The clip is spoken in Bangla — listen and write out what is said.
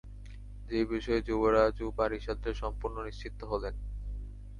সে বিষয়ে যুবরাজ ও পারিষদরা সম্পূর্ণ নিশ্চিন্ত হলেন।